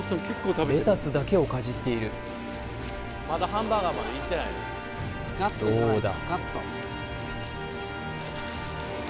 レタスだけをかじっているどうだ？